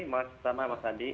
mas tama mas adi